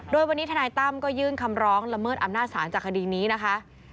โดยวันนี้ทนายตั้มก็ยื่นคำร้องละเมิดอำนาจศาลจากคดีนี้นะคะ